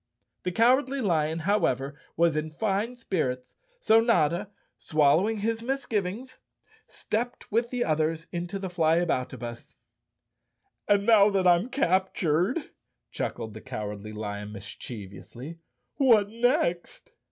The Cowardly Lion, however, was in fine spirits, so Notta, swallowing his misgivings, stepped with the others into the Flyaboutabus. "And now that I'm cap¬ tured," chuckled the Cowardly Lion mischievously, "what next?"